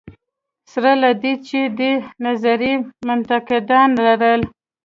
سره له دې چې دې نظریې منتقدان لرل.